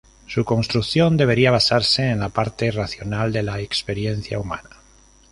Su construcción debería basarse en la parte racional de la experiencia humana.